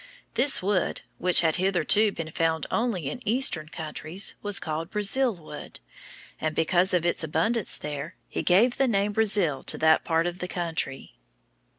This wood, which had hitherto been found only in Eastern countries, was called brazil wood; and because of its abundance there, he gave the name Brazil to that part of the country.